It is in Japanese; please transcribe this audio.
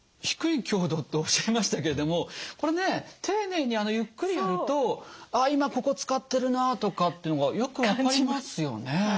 低い強度とおっしゃいましたけれどもこれね丁寧にゆっくりやると「あ今ここ使ってるな」とかっていうのがよく分かりますよね。